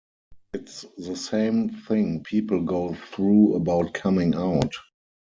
It's the same thing people go through about coming out.